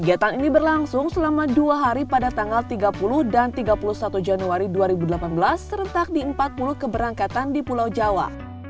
kegiatan ini berlangsung selama dua hari pada tanggal tiga puluh dan tiga puluh satu januari dua ribu delapan belas serentak di empat puluh keberangkatan di pulau jawa